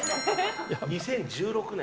２０１６年？